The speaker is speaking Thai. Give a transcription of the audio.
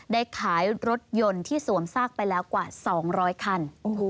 ได้ขายรถยนต์ที่สวมซากไปแล้วกว่า๒๐๐คัน